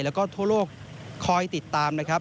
แล้วก็ทั่วโลกคอยติดตาม